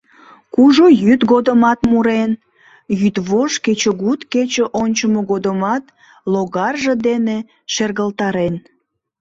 Кужу йӱд годымат мурен, йӱдвошт-кечыгут кече ончымо годымат логарже дене шергылтарен.